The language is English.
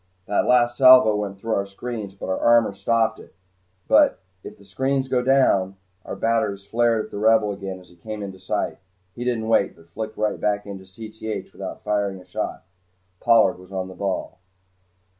That last salvo went through our screens, but our armor stopped it. But if the screens go down " Our batteries flared at the Rebel as he again came into sight. He didn't wait, but flicked right back into Cth without firing a shot. Pollard was on the ball.